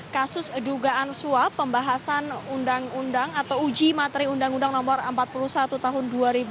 kasus dugaan suap pembahasan undang undang atau uji materi undang undang no empat puluh satu tahun dua ribu dua